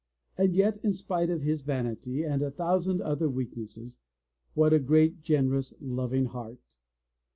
And yet, in spite of his vanity and a thousand other weaknesses, what a great, generous, loving heart